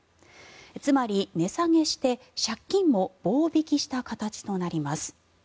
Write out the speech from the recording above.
つまり、値下げして借金も棒引きした形となります。